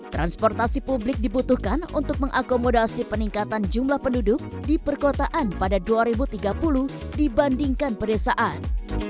transportasi publik dibutuhkan untuk mengakomodasi peningkatan jumlah penduduk di perkotaan pada dua ribu tiga puluh dibandingkan pedesaan